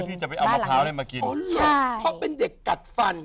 ที่เมน